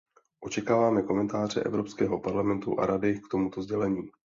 Očekáváme komentáře Evropského parlamentu a Rady k tomuto sdělení.